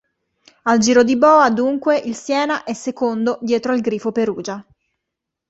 Al giro di boa, dunque, il Siena è secondo dietro al Grifo Perugia.